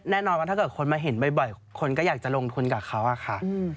แน่นอนว่าถ้าเกิดคนมาเห็นบ่อยคนก็อยากจะลงทุนกับเขาอะค่ะ